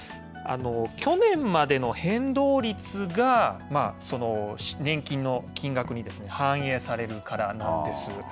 去年までの変動率が、年金の金額に反映されるからなんです。